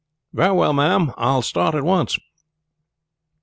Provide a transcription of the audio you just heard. "Very well, ma'am. I will start at once."